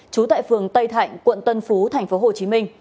trú tại phường tây thạnh quận tân phú tp hcm